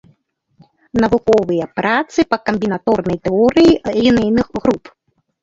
Навуковыя працы па камбінаторнай тэорыі лінейных груп.